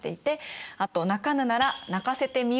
あと「鳴かぬなら鳴かせてみよう」は。